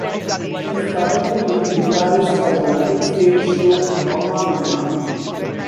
He is currently lead guitarist for the London stage show Mamma Mia!